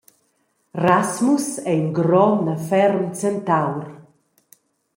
Rasmus ei in grond e ferm centaur.